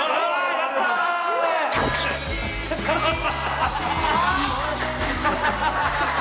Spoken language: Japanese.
やった。